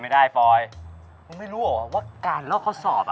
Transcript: มึงไม่รู้เหรอว่าการเลาค์เพราะสอบ